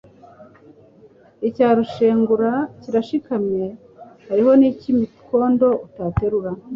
Icya rushengura kirashikamye !Hariho n' icy' imikondo utaterura,